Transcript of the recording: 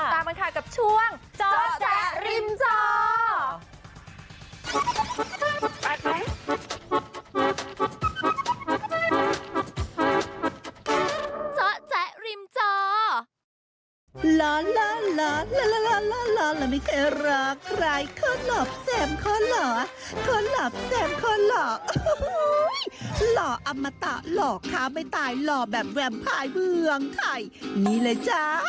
ตามกันค่ะกับช่วงจอแจ๊ริมจอ